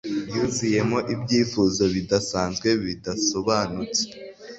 Yuzuyemo ibyifuzo bidasanzwe bidasobanutse